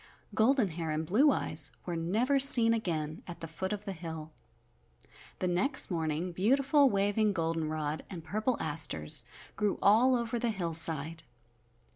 Golden Hair and Blue Eyes were never seen again at the foot of the hill. The next morning beautiful, waving golden rod and purple asters grew all over the hillside.